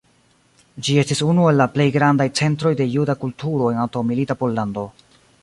Ĝi estis unu el la plej grandaj centroj de juda kulturo en antaŭmilita Pollando.